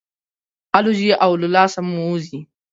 الوزي او له لاسه مو وځي.